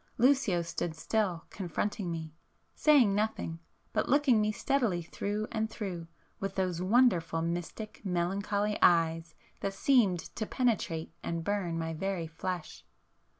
Lucio stood still, confronting me,—saying nothing, but looking me steadily through and through, with those wonderful mystic, melancholy eyes that seemed to penetrate and burn my very [p 446] flesh.